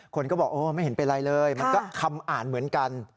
คนก็บอกโอ้ไม่เห็นเป็นไรเลยมันก็คำอ่านเหมือนกัน